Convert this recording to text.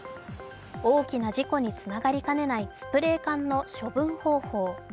大きな事故につながりかねないスプレー缶の処分方法。